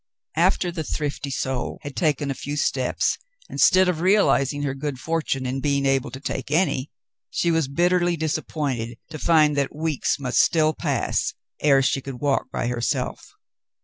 After the thrifty soul had taken a few steps, instead of realizing her good fortune in being able to take any, she was bitterly disappointed to find that weeks must still pass ere she could walk by herself.